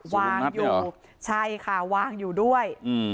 วางอยู่ใช่ค่ะวางอยู่ด้วย